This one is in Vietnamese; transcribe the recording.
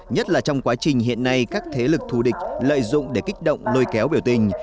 nhất là trong quá trình hiện nay các thế lực thù địch lợi dụng để kích động lôi kéo biểu tình